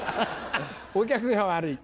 「お客が悪い」。